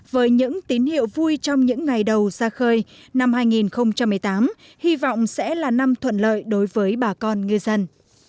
với những tín hiệu vui trong những ngày đầu ra khơi năm hai nghìn một mươi tám hy vọng sẽ là năm thuận lợi đối với bà con ngư dân